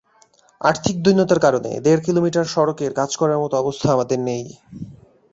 আর্থিক দৈন্যতার কারণে দেড় কিলোমিটার সড়কের কাজ করার মতো অবস্থা আমাদের নেই।